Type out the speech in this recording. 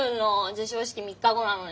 授賞式３日後なのに。